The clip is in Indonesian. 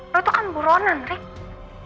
lo itu kan buronan rik